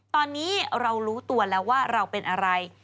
ตอนนี้เรารู้ตัวแล้วว่าเราเป็นอะไร